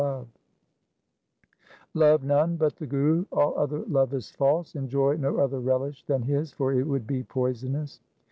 1 Love none but the Guru ; all other love is false. Enjoy no other relish than his, for it would be poisonous.